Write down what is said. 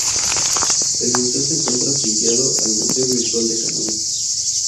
El museo de encuentra afiliado al Museo virtual de Canadá.